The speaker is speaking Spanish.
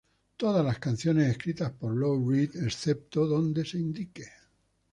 Todas las canciones escritas por Lou Reed excepto donde se indique.